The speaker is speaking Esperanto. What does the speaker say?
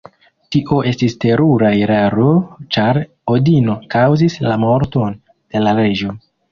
Tio estis terura eraro ĉar Odino kaŭzis la morton de la reĝo.